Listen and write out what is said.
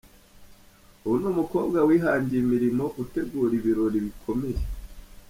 Ubu ni umukobwa wihangiye imirimo utegura ibirori bikomeye.